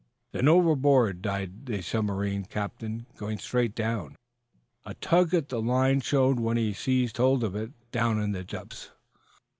Then overboard dived the submarine captain, going straight down. A tug at the line showed when he seized hold of it, down in the depths.